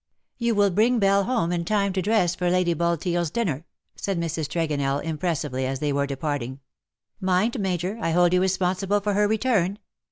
'' You will bring Belle home in time to dress for Lady BulteeFs dinner/^ said Mrs. Tregonell; impres sively^ as they were departing. '^ Mind, Major, I hold you responsible for her return.